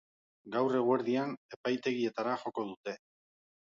Gaur eguerdian, epaitegietara joko dute.